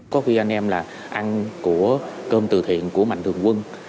có khi anh em là ăn của cơm từ thiện của mạnh thường quân